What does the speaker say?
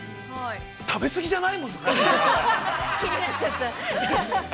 ◆食べ過ぎじゃない？